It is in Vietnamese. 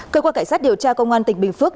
cơ quan cảnh sát điều tra công an tỉnh bình phước